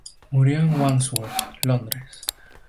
Murió en Wandsworth, Londres.